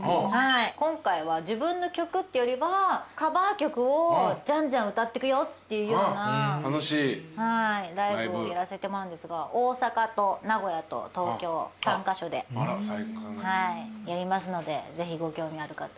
今回は自分の曲っていうよりはカバー曲をじゃんじゃん歌ってくよっていうようなライブやらせてもらうんですが大阪と名古屋と東京３カ所でやりますのでぜひご興味ある方はいらしてください。